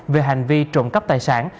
về hành vi trộn cấp tài sản